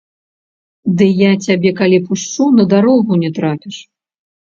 Ды я цябе калі пушчу, на дарогу не трапіш!